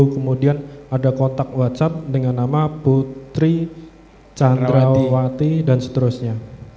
kemudian ada kontak whatsapp dengan nama putri candrawati dan seterusnya